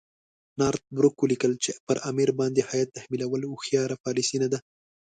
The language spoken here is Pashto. نارت بروک ولیکل چې پر امیر باندې هیات تحمیلول هوښیاره پالیسي نه ده.